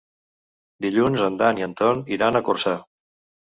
Dilluns en Dan i en Ton iran a Corçà.